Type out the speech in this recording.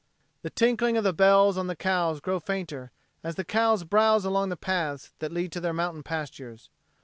The tinkling of the bells on the cows grow fainter as the cows browse along the paths that lead to their mountain pastures.